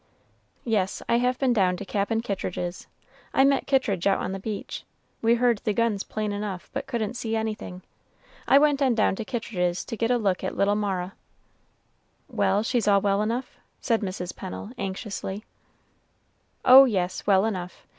"Yes, I have been down to Cap'n Kittridge's. I met Kittridge out on the beach. We heard the guns plain enough, but couldn't see anything. I went on down to Kittridge's to get a look at little Mara." "Well, she's all well enough?" said Mrs. Pennel, anxiously. "Oh, yes, well enough.